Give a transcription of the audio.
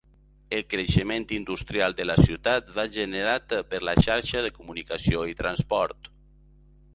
El creixement industrial de la ciutat ve generat per la xarxa de comunicació i transport.